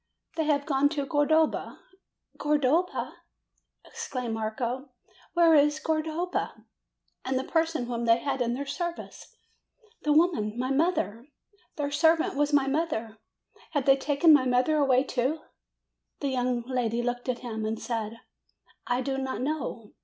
"They have gone to Cordova." "Cordova !" exclaimed Marco. "Where is Cordova? And the person whom they had in their service? The woman, my mother! Their servant was my mother! Have they taken my mother away, too?" The young lady looked at him and said: "I do not know.